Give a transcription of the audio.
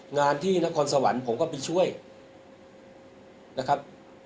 งานที่นครสวรรค์ผมก็ไปช่วยนะครับ